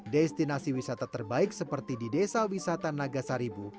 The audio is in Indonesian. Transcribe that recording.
destinasi wisata terbaik seperti di desa wisata nagasaribu